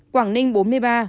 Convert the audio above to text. quảng ninh bốn mươi ba